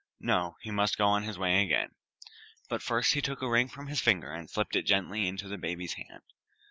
No! he must go on his way again. But first he took a ring from his finger and slipped it gently into the baby's hand.